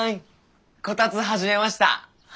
こたつ始めました！